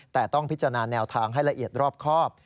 แต่ต้องพิจารณาแนวทางให้ละเอียดรอบครอบ